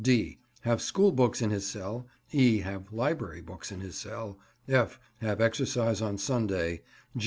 (d) Have school books in his cell. (e) Have library books in his cell. (f) Have exercise on Sunday.